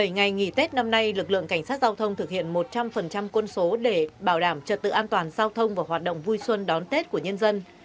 bảy ngày nghỉ tết năm nay lực lượng cảnh sát giao thông thực hiện một trăm linh quân số để bảo đảm trật tự an toàn giao thông và hoạt động vui xuân đón tết của nhân dân